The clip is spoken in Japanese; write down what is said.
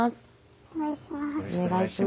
お願いします。